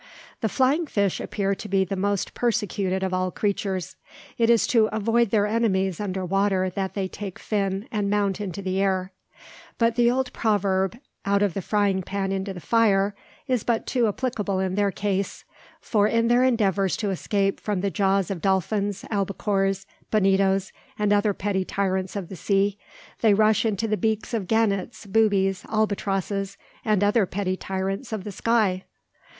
The flying fish appear to be the most persecuted of all creatures. It is to avoid their enemies under water that they take fin and mount into the air; but the old proverb, "out of the frying pan into the fire," is but too applicable in their case, for in their endeavours to escape from the jaws of dolphins, albicores, bonitos, and other petty tyrants of the sea, they rush into the beaks of gannets, boobies, albatrosses, and other petty tyrants of the sky.